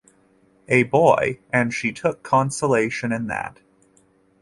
“A boy.” And she took consolation in that.